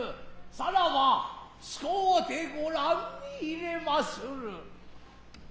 さらば使うて御らんに入れまする。